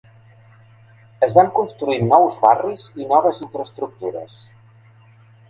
Es van construir nous barris i noves infraestructures.